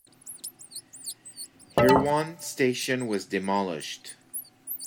Hirwaun station was demolished.